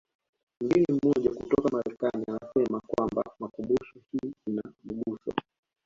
Mgeni mmoja kutoka Marekani anasema kwamba makumbusho hii ina mguso